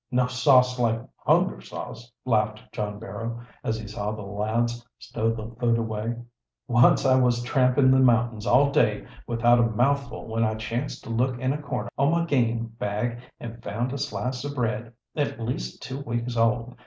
"No sauce like hunger sauce," laughed John Barrow, as he saw the lads stow the food away. "Once I was trampin' the mountains all day without a mouthful when I chanced to look in a corner o' my game bag and found a slice o' bread, at least two weeks old.